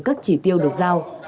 các chỉ tiêu được giao